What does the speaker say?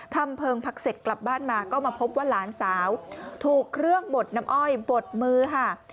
เพลิงผักเสร็จกลับบ้านมาก็มาพบว่าหลานสาวถูกเครื่องบดน้ำอ้อยบดมือค่ะ